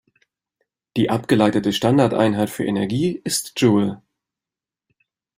Die abgeleitete Standardeinheit für Energie ist Joule.